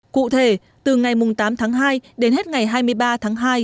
cụ thể từ ngày tám tháng hai đến hết ngày hai mươi ba tháng hai